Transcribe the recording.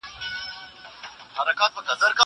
زه د زده کړو تمرين کړی دی!